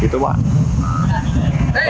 thì tối bản